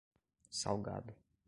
Salgado